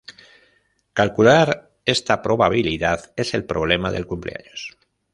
Calcular esta probabilidad es el problema del cumpleaños.